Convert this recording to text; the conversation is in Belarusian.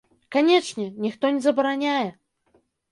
Канечне, ніхто не забараняе!